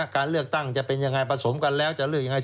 การเลือกตั้งจะเป็นยังไงผสมกันแล้วจะเลือกยังไง